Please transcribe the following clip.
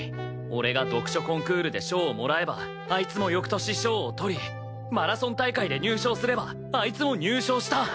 俺が読書コンクールで賞をもらえばあいつも翌年賞を取りマラソン大会で入賞すればあいつも入賞した。